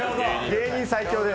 芸人最強！